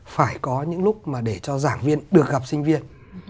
phải có những lúc mà để cho giảng viên được gặp sinh viên